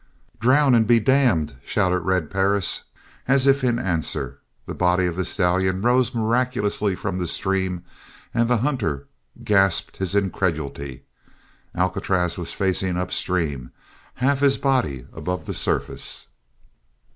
"Drown, and be damned!" shouted Red Perris, and as if in answer, the body of the stallion rose miraculously from the stream and the hunter gasped his incredulity. Alcatraz was facing up stream, half his body above the surface.